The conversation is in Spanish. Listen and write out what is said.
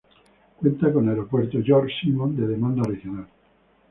Cuenta con Aeropuerto "Jorge Simons" de demanda regional.